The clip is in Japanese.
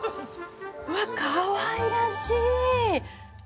わっかわいらしい！